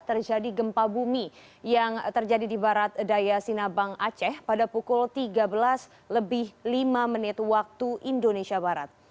terjadi gempa bumi yang terjadi di barat dayasinabang aceh pada pukul tiga belas lima wib